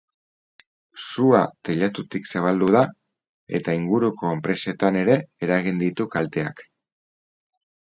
Sua teilatutik zabaldu da eta inguruko enpresetan ere eragin ditu kalteak.